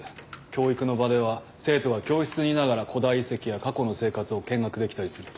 教育の場では生徒は教室にいながら古代遺跡や過去の生活を見学できたりする。